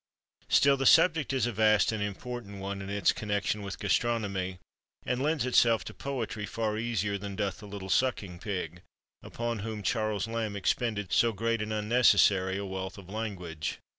Still the subject is a vast and important one, in its connection with gastronomy, and lends itself to poetry far easier than doth the little sucking pig, upon whom Charles Lamb expended so great and unnecessary a wealth of language.